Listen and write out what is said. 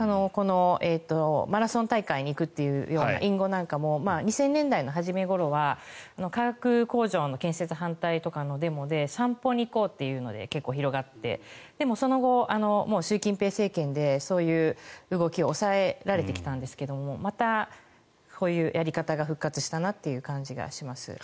マラソン大会に行くという隠語なんかも２０００年代の初めごろは化学工場の建設反対のデモとかで散歩に行こうというので結構広がってでも、その後、習近平政権でそういう動きを抑えられてきたんですがまた、こういうやり方が復活したなという感じがします。